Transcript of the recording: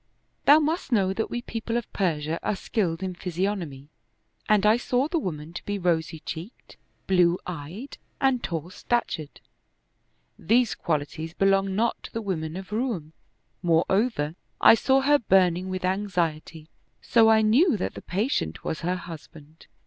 Thou must know that we people of Persia are skilled in physiognomy, and I saw the woman to be rosy cheeked, blue eyed, and tall stat ured. These qualities belong not to the women of Roum; moreover, I saw her burning with anxiety ; so I knew that the patient was her husband.